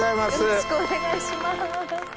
よろしくお願いします。